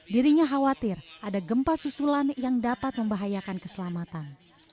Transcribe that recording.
dirinya khawatir ada gempa susulan yang dapat membahayakan keselamatan